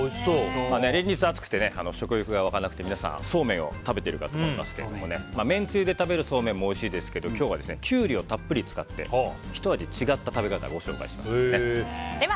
連日暑くて、食欲がわかなくて皆さん、そうめんを食べているかと思いますけどもめんつゆで食べるそうめんもおいしいですけど今日はキュウリをたっぷり使ってひと味違った食べ方をご紹介します。